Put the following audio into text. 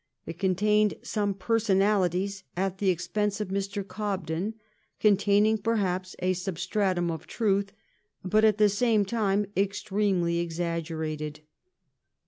It con tained some personalities at the expense of Mr. Gobden, containing, perhaps, a substratum of truth, but at the same time extremely exaggerated.